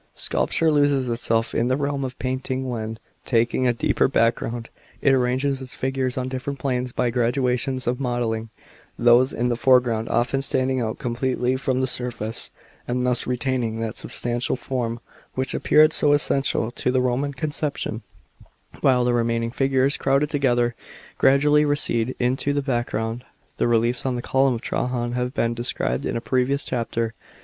Sculpture loses itself in the realm of painting when, taking a deeper background, it arranges its figures on different planes by gradations of modelling, those in the foreground often standing out completely from the surface, and thus retaining that substantial form which appea ed so essential to the Roman conception, while the remaining figures, crowded together, gradually rectde into the background."* The reliefs on the Column of Trajan hive been described in a previous chapter.